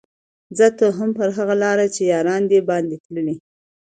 ځه ته هم پر هغه لاره چي یاران دي باندي تللي